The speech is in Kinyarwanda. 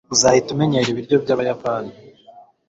uzahita umenyera ibiryo byabayapani